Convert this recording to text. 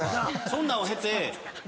そんなんを経て。